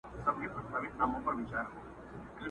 نن له هغې وني ږغونه د مستۍ نه راځي٫